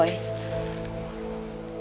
aku sekarang ngerti maksud kamu